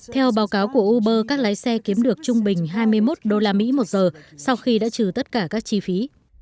theo báo cáo của uber các lái xe kiếm được trung bình hai mươi một đô la mỹ một giờ sau khi đã trừ tất cả các chi phí